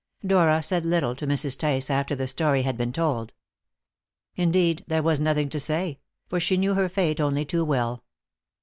Dora said little to Mrs. Tice after the story had been told. Indeed, there was nothing to say; for she knew her fate only too well.